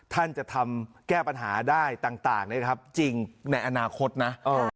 ท่านจะทำแก้ปัญหาได้ต่างนะครับจริงในอนาคตนะ